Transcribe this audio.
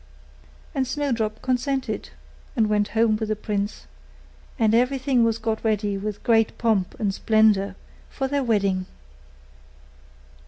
And Snowdrop consented, and went home with the prince; and everything was got ready with great pomp and splendour for their wedding.